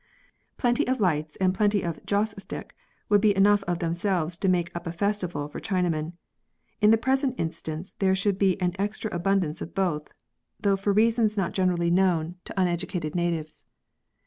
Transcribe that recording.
Plenty of lights and plenty of joss stick would be enough of themselves to make up a festival for China men ; in the present instance there should be an extra abundance of both, though for reasons not generally no THE FEAST OF LANTERNS. known to uneducated natives.